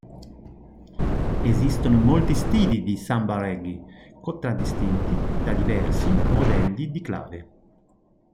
Esistono molti stili di samba-reggae, contraddistinti da diversi modelli di clave.